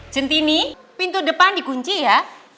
centini pintu depan dikunci ya